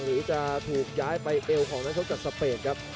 หรือจะถูกย้ายไปเอวของนักชกจากสเปนครับ